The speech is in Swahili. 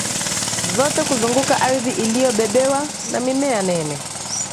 zote kuzunguka ardhi iliyobebewa na mimea nene